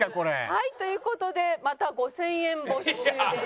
はいという事でまた５０００円没収です。